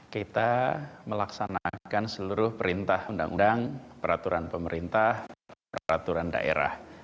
kita melaksanakan seluruh perintah undang undang peraturan pemerintah peraturan daerah